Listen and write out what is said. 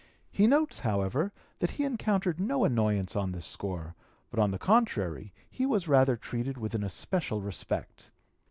He notes, however, that he encountered no annoyance on this score, but on the contrary he was rather treated with an especial respect.